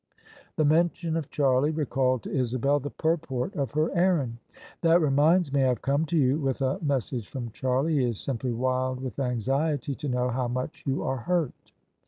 The mention of Charlie recalled to Isabel the purport of her errand. " That reminds me I have come to you with a message from Charlie. He is simply wild with anxiety to know how much you are hurt."